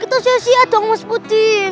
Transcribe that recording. kita sia sia dong mas pudin